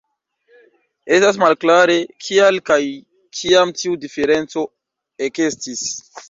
Estas malklare, kial kaj kiam tiu diferenco ekestis.